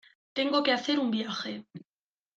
tengo que hacer un viaje.